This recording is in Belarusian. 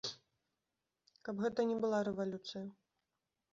Каб гэта не была рэвалюцыя.